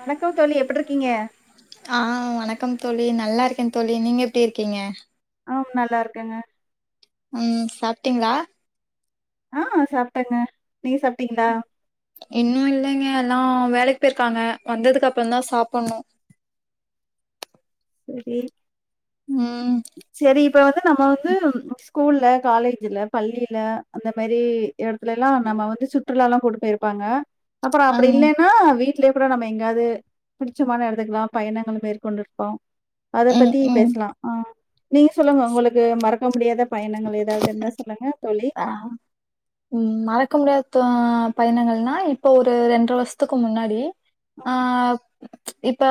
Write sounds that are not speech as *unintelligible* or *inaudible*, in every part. வணக்கம் தோழி எப்டி இருக்கீங்க ஆ வணக்கம் தோழி நல்லாருக்கேன் தோழி நீங்க எப்டி இருக்கீங்க ஆ நல்லா இருக்கேங்க உம் சாப்ட்டீங்களா ஆ சாப்ட்டேங்க நீங்க சாப்ட்டீங்களா இன்னும் இல்லைங்க எல்லா வேலைக் போயிருக்காங்க வந்ததுக்கு அப்றோ தா சாப்டணு செரி ம் செர்ரி இப்ப வந்து நம்ம வந்து ஸ்கூல்ல காலேஜ்ல பள்ளியில அந்த மாரி எடத்துல எல்லா நம்ம வந்து சுற்றுலா லாம் கூட்டு போயிருப்பாங்க அப்றோ அப்டி ம் இல்லைன்னா வீட் பிள்ளைக கூட நம்ம எங்காவ்து புடிச்சமான இடத்துக்கலாம் பயணங்கள் மேற்கொண்டுருப்போம் அத ம் பத்தி ம் பேசலாம் ஆ நீங்க சொல்லுங்க உங்களுக்கு மறக்க முடியாத பயணங்கள் ஏதாவ்து இருந்தா சொல்லுங்க தொழி ஆ ம் மறக்க முடியாத பயணங்கள்னா இப்போ ஒரு ரெண்டுரை வருஷத்துக்கு முன்னாடி ஆ இப்ப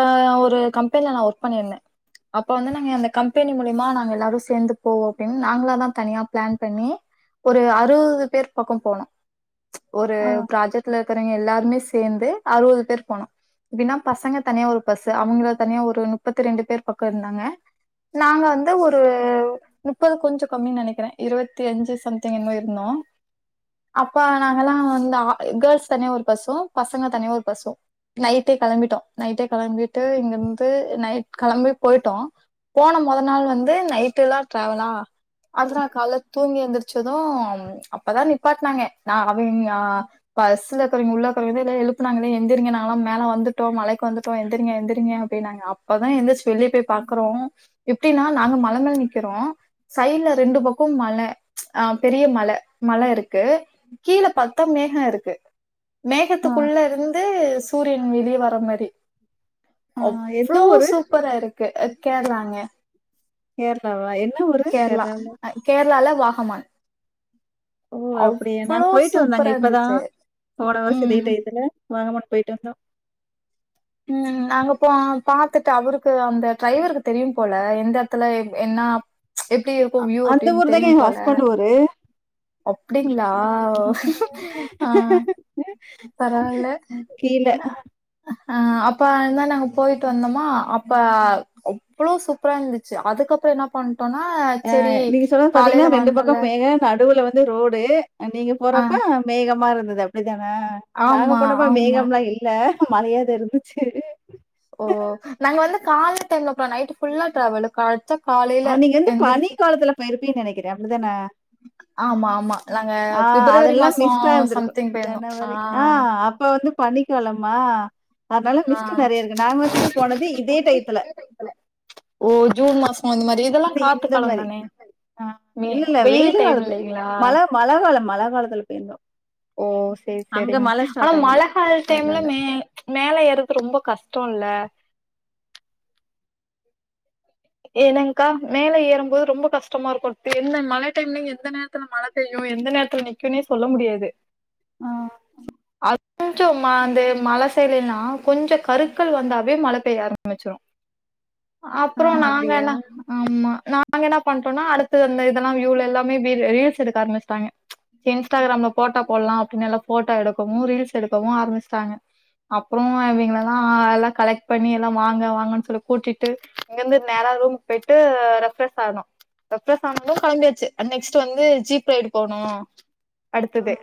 ஒரு கம்பெனில நா ஒர்க் பண்ணிருந்தே அப்போ வந்து நாங்க அந்த கம்பெனி மூலிமா நாங்க எல்லாரு சேந்து போவோ அப்டின்னு நாங்களா தா தனியா பிளான் பண்ணி ஒரு அறுபது பேர் பக்கோ போனோ ஒரு ஆ ப்ராஜெக்ட்ல இருக்கறவங்க எல்லாருமே சேந்து அறுபது பேர் போனோ எப்பிடின்னா பசங்க தனியா ஒரு பஸு அவங்க தனியா ஒரு முப்பத்தி ரெண்டு பேர் பக்கோருந்தாங்க நாங்க வந்து ஒரு முப்பது கொஞ்சோ கம்மின் நெனைக்கிறே இருவத்தி அஞ்சு சம் திங் என்மோ இருந்தோ அப்ப நாங்கல்லா வந்து கேர்ள்ஸ் தனியே ஒரு பஸு பசங்க தனிய ஒரு பஸு நைட்டே கெளம்பிட்டோ நைட்டே கெளம்பிட்டு இங்கருந்து நைட் களம்பி போயிட்டோ போன மொத நாள் வந்து நைட்டெல்லா டிராவலா அடுத்தநாள் கால்ல தூங்கி எழுந்துருச் சது அப்பதா நிப்பாட்னாங்க நா அமைதியா பஸுல இருக்கறவைங்க உள்ள இருக்கறவேங்களே எழுப்புனாங்களே எந்திரங்க நாங்களா மேல வந்துட்டோ மலைக்கு வந்துடோ எந்திரிங்க எந்திரிங்க அப்டினாங்க அப்பதா எந்துருச்சு வெளியே போய் பாக்குறோ எப்டின்னா நாங்க மலமேல நிக்கிறோ சைட்ல ரெண்டு பக்கம் மல ஆ பெரிய மல மலருக்கு கீழே பாத்தா மேகோருக்கு ஆ மேகத்துக்குள்ளருந்து சூரியன் வெளியே வர மாரி ஆ எந்த அவ்ளோ ஊரு சூப்பராருக்கு அ கேரளாங்க கேரளாவா என்ன ஊரு கேரளா அ கேரளால்ல வாகமான் ஓ அப்பிடியா நாங்க அவ்ளோ போயிட்டு வந்தோங்க சூப்பரா இருந்துச்சு இப்பதா போன வருஷோ இதே ம் டையத்துல வாகமான் போயிட்டு வந்தோ ம் நாங்க போ பாத்துட்டோ அவருக்கு அந்த டிரைவருக்கு தெரியும் போல எந்த எடத்துல எ என்னா எப்பிடி இருக்கு வியூ அந்த அப்டின் ஊர் தாங்க தெரியும் எங்க போல ஹஸ்பண்ட் ஊரு. அப்டிங்ளா ஆ பரவால்ல கீழ ஆ அப்ப தா நாங்க போயிட்டு வந்தோம்மா அப்ப அவ்ளோ சூப்பராருந்துச்சு அதுக்கப்புறோ என்னா பண்டோன்னா ஆ நீங்க சொல்றது பாத்தீங்கன்னா ரெண்டு பக்கம் மேகோ நடுவுல வந் து ரோடு அ நீங்க ஆ போறப்ப மேகமாருந்தது அப்பிடித்தானே நாங்க ஆமா போனப்ப ஆமா மேகம்லா இல்ல மலையாதா இருந்துச்சு ஓ நாங்க வந்து கால்ல டைம்ல போல நைட்டு ஃபுல்லா ட்ராவல்லு படுத்து தூ ஆ நீங்க வந்து பனி காலத்து போயிருப்பீங்க நெனைக்கிறே அப்பிடிதான ஆமா ஆமா நாங்க ஆ பிப்ரவரி அதெல்லா மாசம் மிஸ்ட்டாருந்துருக்கு சம்திங் போயிருந்தோம். ஜனவரி ஆ அப்ப வந்து பண்ணிக்காலமா அதனால மிஸ்ட் ஆ. நறையருக்கு நாங்க வந்து போனது இதே டைத்துல ஓ ஜூன் மாசோ அந்த மாரி இதெல்லா இந்த காத்து இந்த மாரி. காலம் தானே ஆ வெயி இல்ல இல்ல வெயில் காலத்து டைமில்லைங்களா மழ மழ காலோ மழ காலத்துல போயிருந்தோ ஓ சேரி அங்க சேரிங்க மழ ஆனா ஸ்டார்ட் மழ ஆயிந்தது கால டைம்ல கேரளால மே மேல ஏற்ரது ரொம்ப கஷ்டோல்ல ஏன்னங்கா மேல ஏறும்போது ரொம்ப கஷ்டமாருக்கு என்ன மழ டைம்ல நீங்க எந்த நேரத் துல மழை பெய்யு எந்த நேரத்துல நிக்குன்னே சொல்ல முடியாது ஆ ஆ கொஞ்சோ மா அந்த மழ சைட்லேல்லா கொஞ்சோ கருக்கள் வந்தாவே மழ பெய்ய ஆரம்மிச்சுரு ஆ அப்புறோ நாங்க அப்டியா என்னா நாங்க என்னா பண்டேன்னா அடுத்தது அந்த இதெல்லா வியூலெல்லாமே வீ ரீல்ஸ் எடுக்க ஆரம்பிச்சட்டாங்க சே இன்ஸ்டாகிராம்ல ஃபோட்டோ போட்லா அப்டின் நல்லா ஃபோட்டோ எடுக்கவு ரீல்ஸ் எடுக்கவு ஆரம்பிச்ட்டாங்க அப்றோ இவிங்ளல்லா எல்லா கலெக்ட் பண்ணி எல்லா வாங்க வாங்கன் சொல்லி கூட்டிட்டு இங்கெருந்து நேரா ரூம் போய்ட்டு ரெஃப் ஃப்ரெஷ் ஆனோ ரெஃப் ஃப்ரெஷ் ஆனது கெளம்பியாச்சு அன்ட் நெக்ஸ்ட்டு வந்து ஜீப் ரைடு போனு அடுத்தது ம்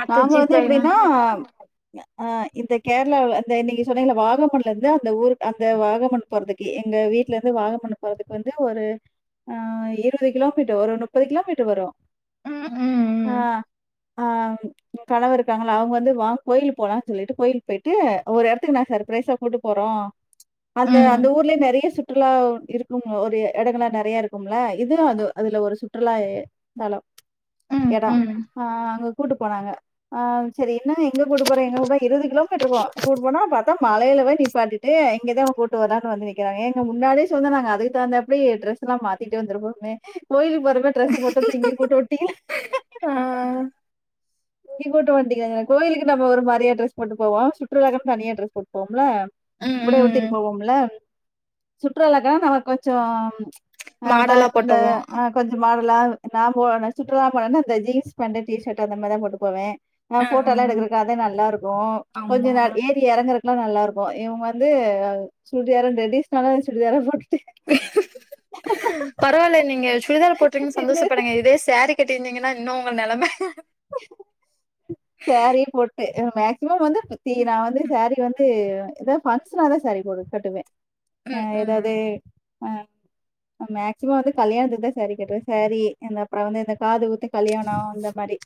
அடுத்த நாங்க வந்து ஜீப் ரைடுனா எப்டின்னா ஆ இந்த கேர்ளாவ்ல அந்த நீங்க சொன்னீங்கல வாகமன்லந்து அந்த ஊரு அந்த வாகமன் போறதுக்கு எங்க வீட்லந்து வாகமன் போறதுக்கு வந்து ஒரு ஆ இருவது கிலோமீட்டர் ஒரு முப்பது கிலோமீட்டர் வரு ம் ஆ ம் ஆ எ கணவர் இருக்காங்கள அவுங்க வந்து வா கோயிலுக் போலான் சொல்லிட்டு கோய்லுக்கு போய்ட்டு ஒரு எடத்துக்கு நா சர்ப்ரைஸா கூட்டு போறோ அந்த ம் அந்த ஊர்லயே நறயா சு ற்றுலா இருக்கு ஒரு எடங்கள்லா நறைய இருக்கும்ல இது அது அதுல ஒரு சுற்றுலா தளோ ம் எடோ ம் ம் ஆ அங்க கூட்டு போனாங்க ஆ செரி என்ன எங்க கூட்டு போற எங்க கூட்ட இருவது கிலோ மீட்ருக்கு கூட்னு போனா பாத்தா மலைல போய் நிப்பாட்டி ட்டு இங்க தா கூட்டு வர்லான் வந்து நிக்கிறாங்க ஏங்க முன்னாடியே சொல்லிந்தா நாங்க அதுக்கு தகுந்தாப்டி ட்ரெஸ்லா மாத்திட்டு வந்துருப்போமே கோயிலுக்கு போற மாரி டிரெஸ்ஸு போட்டு வந்தா இங்க கூட்டு வன்ட்டீங்ளே ஆ இப்டி போட்டு வன்ட்டீங்கங்க கோயிலுக்குன் நம்ம ஒரு மாரியா டிரெஸ் போட்டு போவோ சுற்றுலாக்குன் தனியா டிரஸ் போட் போம்ல ம் உட உடுத்திட்டு ம் போவம்ல சுற்றுலாக்கலா நம்ம கொஞ்சொ ஆ ந மாடெல்லா இந்த போட்டோமோ ஆ கொஞ்சொ மாடலா நா போனா சுற்றுலா போனன்னா இந்த ஜீன்ஸ் பேண்ட்டு டீ ஷர்ட்டு அந்த மார்தா போட்டு போவே நா அ அ ஃபோட்டோல்லா எடுக்றக்கு அதே நல்லாருக்கு கொஞ்ச ஆமா நா ஏ றி எறங்றக்லா நல்லாருக்கு இவுங்க வந்து சுடிதாரு டெடிஷ்னலான சுடிதார போட்டு பரவால்ல நீங்க சுடிதார் போட்றீங்கன் இல்ல சந்தோஷப்படுங்க இதே ஸாரி கட்டிருந்தீங்கன்னா இன்னு உங்க நெலம ஸாரியு போட்டு மேக்சிமம் வந்து *unintelligible* நா வந்து ஸாரி வந்து எதா பங்க்ஷனாதா ஸாரி போடு கட்டுவே ம் ஆ ம் எதாவ்து ஆ நா மேக்சிமம் வந்து கல்யாணத்துக்கு தா ஸாரி கட்டுவே ஸாரி அந்த அப்றோ வந்து இந்த காது குத்து கல்யாணோ இந்த மாரி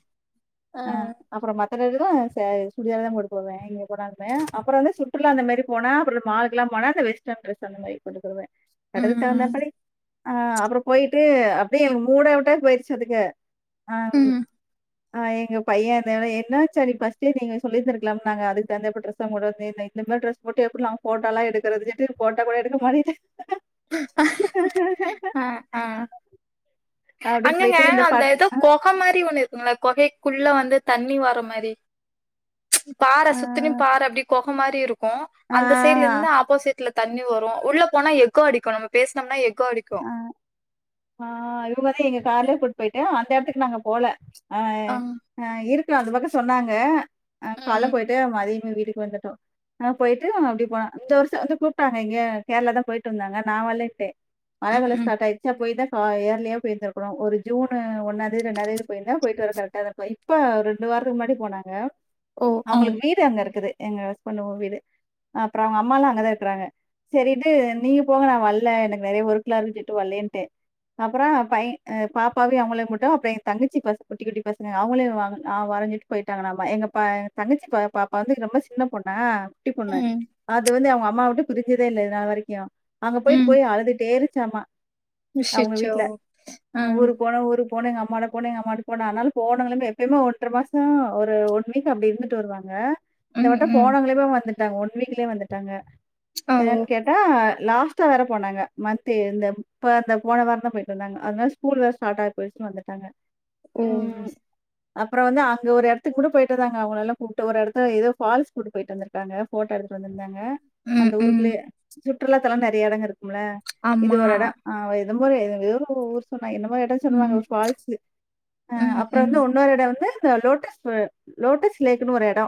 ஆ அப்றோ மத்த நேரத்துலா சே சுடிதார் தா போட்டு போவே எங்க போனாலுமே அப்றோ வந்து சுற்றுலா அந்த மாரி போனா அப்றோ மாலுக்லா போனா அந்த வெஸ்டர்ன் ட்ரெஸ் அந்த மாரி போட்டு போவே எடத்துக்கு தகுந்த ம் மாரி ஆ அப்றோ போய்ட்டு அப்டியே எனக் மூட்டவுட்டாய் போய்ருச்சு பாத்துங்க ஆ ம் ஆ எங்க பையே வந்தோன்னே என்னா ஆச்சா நீ ஃபர்ஸ்ட்டே நீங்க சொல்லி இருந்திருக்லாம்ல நாங்க அதுக் தகுந்தாப்ல டிரெஸ்லா போட்டுவந்தே இந்த மார் டிரெஸ் போட்டு‌ எப்டி நாங்க ஃபோட்டோலா எடுக்றதுன்னுட்டு ஃபோட்டோ கூட எடுக்க மாட்டே டா ஆ ஆ அப்டி அங்கங்க போயிட்டு இந்த அந்த பட் எதோ கொக மாரி ஒண்ணு இருக்கும்ல கொகைக்குள்ள வந்து தண்ணி வர மாரி பாற ஆ சுத்தினு பாற அப்டி கொக மாரி இருக்கு ஆ அந்த சைட்லருந்து ஆப்போசிட்ல தண்ணி வரு உள்ள போனா எக்கோ அடிக்கு நம்ம பேசுனம்னா எக்கோ அடிக்கு ஆ ஆ இவுங்கதா எங்க கார்லயே கூட் போய்ட்டு அந்த எடத்துக்கு நாங்க போல ஆ ஆ இருக்ல அந்த பக்கோ சொன்னாங்க அ கால்ல ம் போய்ட்டு மதியமே வீட்டுக்கு வந்துட்டோ ஆ போய்ட்டு அப்டி போன இந்த வர்ஷோ வந்து கூப்ட்டாங்க எங்கியோ கேர்ளா தா போய்ட்டு வந்தாங்க நா வர்லேன்ட்டே மழ ம் ம் காலோ ம் ஸ்டார்ட் ஆய்ருச்சா போய் தா ஆ ஏர்லியா போய்ருந்துருக்கனு ஒரு ஜூனு ஒன்னாந்தேதி ரெண்டாந்தேதி போயிர்ந்தா போய்ட்டு வர கரெக்ட்டாருந்துருக்கு இ ப்போ ஒரு ரெண்டு வாரத்துக்கு முன்னாடி போனாங்க ஓ ஆ அவுங்களுக்கு வீடு அங்க இருக்குது எங்க அஸ்பண்டு வீடு அப்புறோ அவங்க அம்மால்லா அங்கதா இருக்கறாங்க சரிட்டு நீங்க போங்க நா வல்ல எனக்கு நெறைய ஊர்க்குலா வந்துட்டு வர்லேன்ட்ட அப்புறோ பையன் பாப்பாவ அவங்கள மட்டு அப்புற என் தங்கச்சி பசங் குட்டி குட்டி பசங்க அவங்கள வாங் வரஞ்சிட் போயிட்டாங்க நாம எங்க த தங்கச்சி பாப் பாப்பா வந்து ரொம்ப சின்ன பொண்ணா குட்டி பொண்ணு ம் அது வந்து அவங்க அம்மாவுட்டு பிரிஞ்சிதே இல்ல இன்ன வரைக்கு அங்க போயிட்டு ம் போய் அழுதுட் ச்ச மா அவங்க அச்சச்சோ வீட்ல ஆ ஊருக்கு போன ஊருக் போனு அம்மாட்ட போனு அம்மாகிட்ட அனால போனங்குமே எப்பயுமே ஒன்றரை மாசோ ஒரு ஒன் வீக் அப்டி இருந்துட்டு வருவாங்க இந்த ம் வட்ட ம் போனதுமே வந்துட்டாங்க ஒன் வீக்லயே வந்துட்டாங்க ஆ ஓ ஏன்னு கேட்டா லாஸ்ட் ட்டு வற போனாங்க இன்னான் தெர்ல போன வாரந்தா போயிட்டு வந்தாங்க அதுனிரி ஸ்கூல் வேற ஸ்டார்ட் ஆகி போய்ச்சுனு வந்துட்டாங்க ஓ ம் அப்புறோ வந்து அங்க ஒரு எடத்துக்கு கூட போயிட்டு வந்தாங்களல்ல கூப்பிட்டு ஒரு எடத்து ஏதோ ஃபால்ஸ் கூட போயிட்டு வந்துருக்காங்க போட்டோ எடுத் வந்துருந்தாங்க அந்த ம் ம் ஊருக்குள்ளயே சுற்றுலாத்தலோ நெறைய எடோ இருக்கும்ல இது ஆமா ஒரு எடோ ஆ எதுமே ஊரு சொன்னா என்னமோ ஒரு எடோ சொல்லுவாங்க ம் ஃபால்ஸ்சு ம் அப்புறோ ம் வந்து உன்னொரு எடோ வந்து இந்த லோட்டஸ் லோட்டஸ் லேக்குன்னு ஒரு எடோ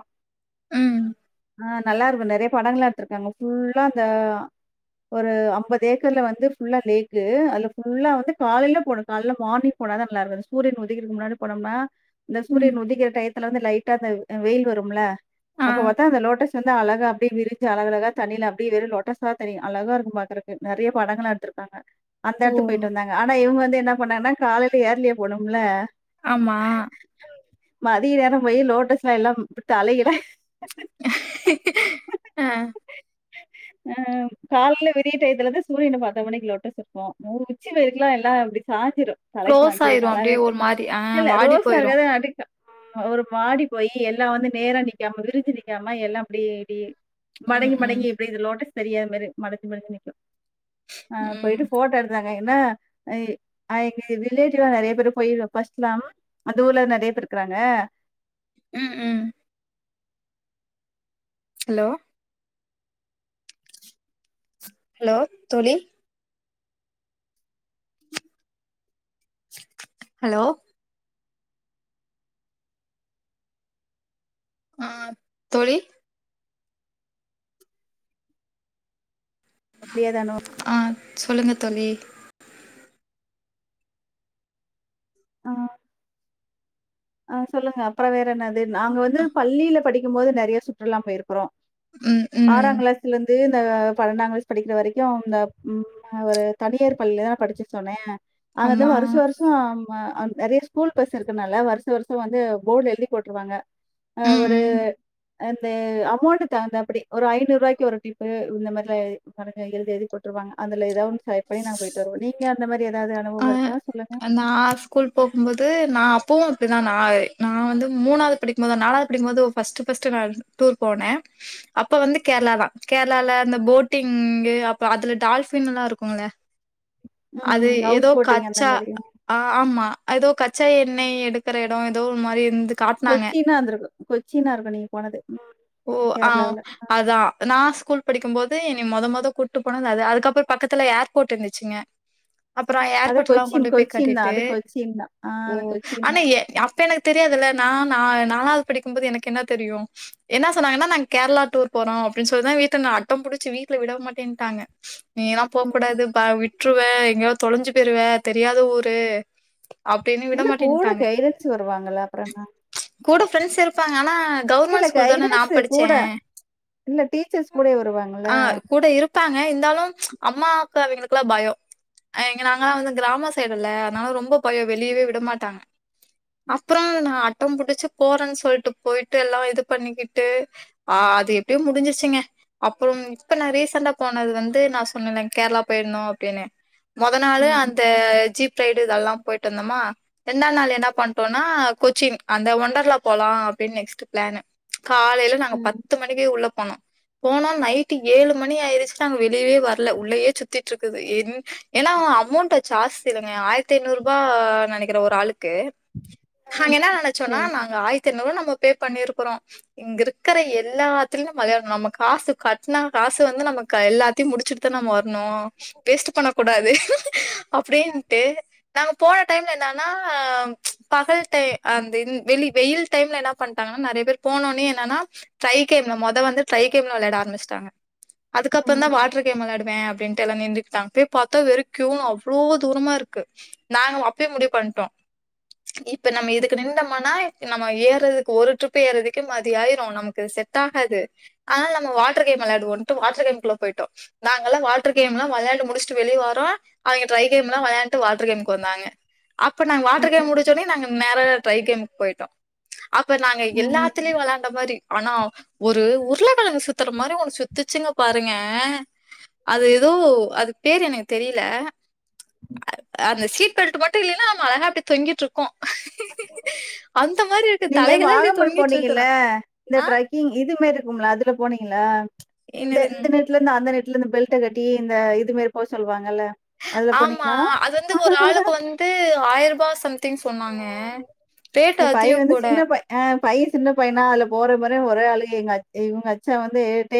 ம் ஆ நல்லா இருக்கு நெறைய படங்ளா எத்துருக்காங்க ஃபுல்லா அந்த ஒரு அம்பது கீல வந்து ஃபுல்லா லேக்கு அதுல ஃபுல்லா வந்து காலைல போனோ காலைல மார்னிங் போனா தா நல்லா இரு சூரியன் உதிக்கிறதுக்கு முன்னாடி போனோம்னா இந்த ம் சூரியன் உதிக்கிற டயத்துல வந்து லைட்டா அந்த வெயில் வரும்ல ஆ அப்ப பாத்தா அந்த லோட்டஸ் வந்து அழகா அப்டியே விரிச்சு அழகழகா தண்ணில அப்டியே வெறு லோட்டஸா தெரியு அழகா இருக்கு பாக்குறப்ப நெறைய படங்கள்ளா எடுத்திருக்காங்க அந்த ஓ எடத்துக்கு போயிட்டு வந்தாங்க ஆனா இவங்க வந்து என்ன பண்ணாங்கன்னா காலையில ஏர்லைன் போனும்ல ஆமா மதிய நேரோ போயி லோட்டஸ் எல்லா தலைகீழ ஆ ஆ காலைல வெரிய இதுலதா சூரியன் பத்த மணிக்கு பாத்தா லோட்டஸ் இருக்கு உச்சி வெயில்லல்லா அப்டியே சாஞ்சிரு தலை க்ளோஸ் சாஞ்சிரு ஆயிரு நல்லாவே அப்டியே இருக்கா ஒரு மாரி ஆ இல்ல வாடி ரோஸ் போயிரு இருக்கதா நடிக்க ஒரு வாடி போயி எல்லாமே நேரா நிக்காம விரிஞ்சு நிக்காம எல்லா அப்டி இப்டி ம் மடங்கி ம் மடங்கி இப்டி லோட்டஸ் தெரியா மாரி மடச்சு மடச் ஆ ம் போயிட்டு ஃபோட்டோ எடு ங்க ஏன்னா எங்க ரிலேட்டிவ்ல நெறைய பேரு பேசலாம அந்த ஊர்ல நெறைய பேருக்குறாங்க ம் ம் ஹலோ ஹலோ தோழி ஹலோ ஆ தோழி முடியாதானு ஆ சொல்லுங்க தோழி ஆ ஆ சொல்லுங்க அப்புறோ வேற என்னது நாங்க வந்து பள்ளியில படிக்கும்போது நெறைய சுற்றுல்லா போயிருக்குறோ ம் ம் ஆறாங்கிளாஸ்ல இருந்து இந்த பன்னண்டா கிளாஸ் படிக்கிற வரைக்கு இந்த நா ஒரு தனியார் பள்ளிலதானா படிச்சுட்ருந்தே அங்க வந்து ஆமா வருஷ வருஷோ அது நெறய ஸ்கூல் பஸ் இருக்குனல வருஷ் ஷ வருஷோ வந்து போர்ட்ல எழுதி போட்டுருவாங்க அ ம் ஒரு ம் அந்த அமௌண்ட் தகுந்தாப்டி ஒரு ஐநூறு ரூவாய்க்கு ஒரு டிப்பு இந்த மாரில்லா எ கணக்கா எழுதி எழுதி போட் ருவாங்க அதுல ஏதாவது ஒன் செலக்ட் பண்ணி நாங்க போயிட்டு வருவோ நீங்க அந்த மாரி ஏதாவுது அனுப் ஆ அன்னாஸ்க் ஸ்கூல் போகுபோது நா அப்பவு இப்டிதா நா நா வந்து மூனாவுது படிக்கு போது நாலாவுது படிக்குபோது ஃபஸ்ட்டு ஃபஸ்ட்டு நான் டூர் போனே அப்ப வந்து கேர்ளா தா கேர்ளால அந்த போட்டிங்கு அப்ப அதுல டால்பின்ல்லா இருக்கூல ம் ஹவுஸ் போட்டிங் அந்த கச்சா மாரி ஆ ஆமா ஏதோ கச்சா எண்ணெய் எடுக்கிற எடோ ஏதோ ஒரு மாரி இருந்து காட்னாங்க கொச்சின்னா இருந்துருக்கு கொச்சின்னா இருக்கு நீங்க போனது ஓ ஆவ் கேரளாவுல. அதா நா ஸ்கூல் படிக்குபோது என்னய மொத மொத கூட்டு போனது அது அதுக்கப்றோ பக்கத்துல ஏர்போர்ட் இருந்துச்சுங்க அப்றோ அது ஏர்போர்ட்லா கொச்சின் கொண்டு போய் கொச்சின் தான். கட்டிட்டு அது கொச்சின் தான். ஆ ஓ அது கொச்சின் ஆனா தான். ஏ அப் ப எனக்கு தெரியாதுல நா நாலாவுது படிக்குபோது எனக்கு என்ன தெரியு என்ன சொன்னாங்கன்னா நாங்க கேர்ளா டூர் போறோ அப்டின்னு சொல்லிதா வீட்ல அடம் புடிச்சு வீட்ல விட மாட்டேன்ட்டாங்க நீலா ம். போக்கூடாது பா விட்டுருவ எங்காயது தொலஞ்சு போய்ருவே தெரியாத ஊரு அப்டின்னு விட இல்ல கூட மாட்டேன்ட்டாங்க கைடன்ஸ் வருவாங்கல்ல அப்புறம் என்ன கூட ஃப்ரெண்ட்ஸ் இருப்பாங்க ஆனா இல்ல கவர்மெண்ட்ஸ் கூல் தானே நா கைடன்ஸ் படிச்சே கூட இல்ல டீச்சர்ஸ் கூடயே வருவாங்கல்ல ஆ கூட இருக் காங்க இருந்தாலு அம்மா அப்பா அவிங்களுக்ல்லா பயோ எங் நாங்லா வந்து கிராம சைடு இல்ல அதனால ரொம்ப பயோ வெளியவே விடமாட்டாங்க அப்றோ நா அடம் புடுச்சு போறன் சொல்ட்டு போயிட்டு எல்லா இது பண்ணிக்கிட்டு ஆ அது எப்பயோ முடிஞ்சிருச்சுங்க அப்புறம் இப்ப நா ரீசண்டா போனது வந்து நா சொன்னேலங் கேர்ளா போயிருந்தோ அப்டின்னு மொத நாளு ம், அந்த ஜீப் ரைடு இதெல்லா போயிட்டு வந்தோமா ரெண்டாவுது நாள் என்ன பண்டோனா கொச்சின் அந்த வொண்டர்லா போலா அப்டின் நெக்ஸ்ட் பிளானு காலைல நாங்க ம். பத்து மணிக்கு உள்ள போனோ போனோ நைட்டு் ஏழு மணி ஆயிருச்சு நாங்க வெளியவே வர்ல உள்ளயே சுத்திட்டு இருக்குது என் ஏனா அமௌண்ட் ஜாஸ்தி இல்லைங்க ஆயிரத்தி ஐந்நூறு ரூபா நெனக்கிறே ஒரு ஆளுக்கு ஹாங்க ம், என்ன நெனச்சோன்னா சரி. நாங்க ஆயிரத்தி ஐநூறுவா நம்ம பே பண்ணிருக்குறோ இங்க இருக்குற எல்லாத்துலயு நம்ம வெளயானு நம்ம காசு கட்ன காசு வந்து நமக்கு எல்லாத் தி முடிச்சுட்டு தா வரணு வேஸ்ட் பண்ண கூடாது அப்டீன்ட்டு நாங்க போன டைம்ல என்னானா பகல் டைய் அந்த இந் வெளி வெயில் டைம்ல என்ன பண்டாங்கனும் நெறய பேர் போனோனே என்னானா ட்ரை கேம்ல மொத வந்து ட்ரை கேம்ல வெளயாட ஆரம்பிச்சுட்டாங்க அதுக்கப்றந்தா வாட்ருக் கேம் வெளாடுவே அப்டின்ட்டு எல்லா நின்டுக்கிட்டாங் பேய் பாத்த வெறு கியூனு அவ்ளோ தூரமா இருக்கு நாங்க அப்பயே முடிவு பண்ட்டோ இப்ப நம்ம இதுக்கு நின்டம்மானா நம்ம ஏறதுக்கு ஒரு ட்ரிப் ஏறதுக் கு மதியாயிரு நமக்கு இது செட் ஆகாது அதனால நம்ம வாட்ரு கேம் வெளயாடுவோன்டு வாட்ரு கேம்க்குள்ள போய்ட்டோ நாங்கல்லா வாட்ரு கேம்லா வெளயாண்டு முடிச்ட்டு வெளிய வரோ அவிங்க ட்ரை கேம்லா வெளயாண்ட்டு வாட்ரு கேமுக்கு வந்தாங்க அப்ப நாங் வாட்ரு கேம் முடிச்சோனே நாங்க நேரா ட்ரை கேமுக்கு போய்ட்டோ அப்ப நாங்க எல்லா ம். த்லயு வெளாண்ட மாரி ஆனாவ் ஒரு உருளக்கெழங்கு சுத்துற மாரி ஒன்னு சுத்துச்சுங்க பாருங்க அது எதோ அதுக் பேரு எனக்கு தெரில அந்த சீட் பெல்ட்டு மட்டு இல்லினா நம்ம அழகா அப்டி தொங்கிட்டுக்கு அந்த மாரி இருக்கு நீங்க தலைகள்லா இப்டி தொங்கிட்ருக்குதா ஆ இதுமாரி இருக்கும்ல அதுல போனீங்ளா இந்த என்னதுங் இந்த நெ ட்ல இருந்து அந்த நெட்ல இருந்து பெல்ட கட்டி இந்த இதுமாரி போக சொல்லுவாங்கள்ல ஆமா அது வந்து ஒரு ஆளுக்கு வந் து ஆயரூபா சம்திங் சொன்னாங்க ம். ரேட்டு அதிகோகூட ஆ பைய சின்ன பையனா அதுல போற போற ஒரே அழுக எங்க இவுங்க அச்சா வந்து